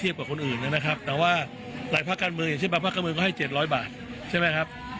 อย่างเช่นแบบภาคการเมืองก็ให้๗๐๐บาทใช่ไหมครับ